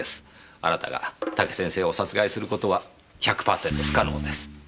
あなたが武先生を殺害することは１００パーセント不可能です。